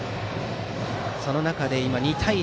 その中で２対１。